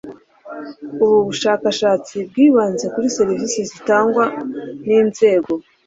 ubu bushakashatsi bwibanze kuri serivisi zitangwa n inzego